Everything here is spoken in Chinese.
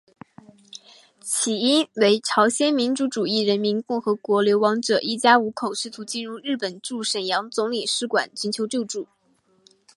起因为朝鲜民主主义人民共和国流亡者一家五口试图进入日本驻沈阳总领事馆寻求救助。